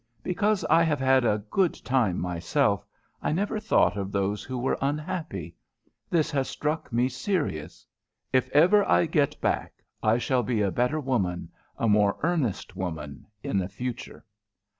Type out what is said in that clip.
"Because I have had a good time myself, I never thought of those who were unhappy. This has struck me serious. If ever I get back I shall be a better woman a more earnest woman in the future."